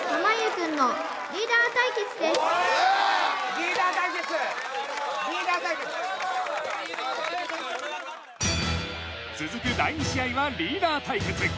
リーダー対決リーダー対決続く第２試合はリーダー対決